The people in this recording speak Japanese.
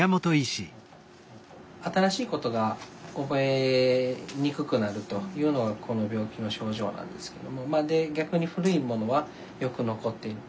新しい事が覚えにくくなるというのがこの病気の症状なんですけども逆に古いものはよく残っている。